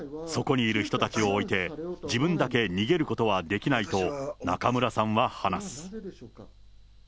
そこにいる人たちを置いて、自分だけ逃げることはできないと中村さんは話す。